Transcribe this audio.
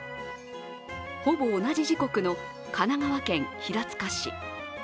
ほぼ同じ時刻の神奈川県平塚市。